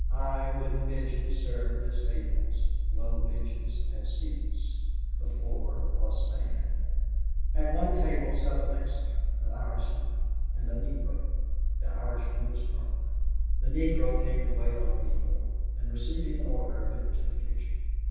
High wooden benches served as tables, low benches as seats. The floor was sand. At one table sat a Mexican, an Irishman, and a Negro. The Irishman was drunk. The Negro came to wait on Neale, and, receiving an order, went to the kitchen.